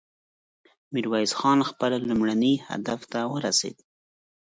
ميرويس خان خپل لومړني هدف ته ورسېد.